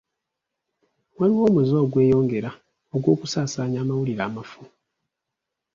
Waliwo omuze ogweyongera ogw'okusaasaanya amawulire amafu.